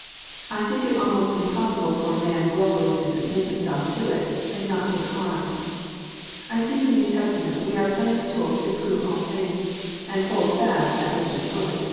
I think it almost impossible for a man wilfully to submit him self to it, and not take harm. I see in the iN"ew Testament we are plainly told to " prove all things," and " hold fast that which is good."